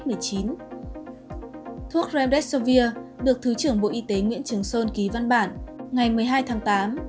thuốc remdes sovir được thứ trưởng bộ y tế nguyễn trường sơn ký văn bản ngày một mươi hai tháng tám